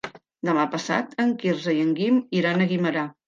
Demà passat en Quirze i en Guim iran a Guimerà.